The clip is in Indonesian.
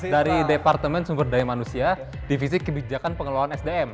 dari departemen sumber daya manusia divisi kebijakan pengelolaan sdm